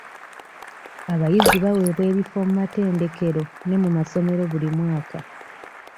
Abayizi baaweebwa ebifo mu matendekero ne mu masomero buli mwaka.